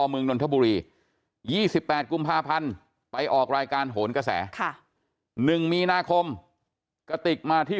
เมืองนนทบุรี๒๘กุมภาพันธ์ไปออกรายการโหนกระแส๑มีนาคมกระติกมาที่